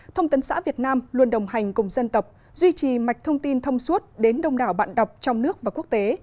thông tấn xã việt nam luôn đồng hành cùng dân tộc duy trì mạch thông tin thông suốt đến đông đảo bạn đọc trong nước và quốc tế